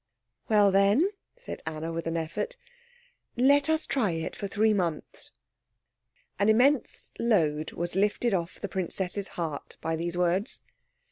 "Well, then," said Anna, with an effort, "let us try it for three months." An immense load was lifted off the princess's heart by these words.